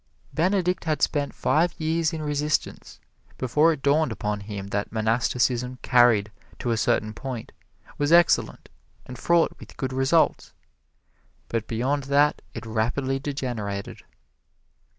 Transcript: Benedict had spent five years in resistance before it dawned upon him that Monasticism carried to a certain point was excellent and fraught with good results, but beyond that it rapidly degenerated.